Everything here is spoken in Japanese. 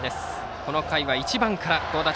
この回は１番からの好打順。